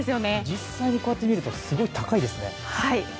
実際にこうやって見るとすごい高いですね。